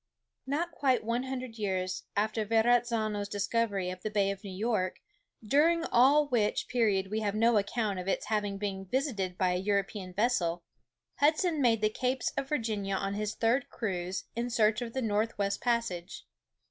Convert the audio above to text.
Not quite one hundred years after Verrazzano's discovery of the Bay of New York, during all which period we have no account of its having been visited by an European vessel, Hudson made the Capes of Virginia on his third cruise in search of the north west passage.